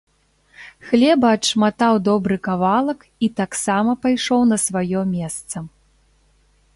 Хлеба адшматаў добры кавалак і таксама пайшоў на сваё месца.